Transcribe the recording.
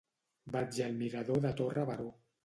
Vaig al mirador de Torre Baró.